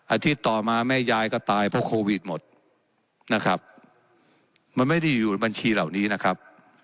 ต่อมาแม่ยายก็ตายเพราะโควิดหมดนะครับมันไม่ได้อยู่บัญชีเหล่านี้นะครับ